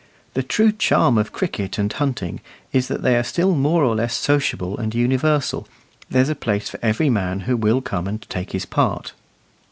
The true charm of cricket and hunting is that they are still more or less sociable and universal; there's a place for every man who will come and take his part.